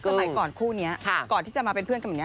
สมัยก่อนคู่นี้ก่อนที่จะมาเป็นเพื่อนกันแบบนี้